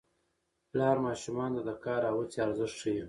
پلار ماشومانو ته د کار او هڅې ارزښت ښيي